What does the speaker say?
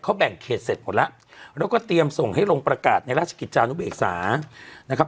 เขาแบ่งเขตเสร็จหมดแล้วแล้วก็เตรียมส่งให้ลงประกาศในราชกิจจานุเบกษานะครับ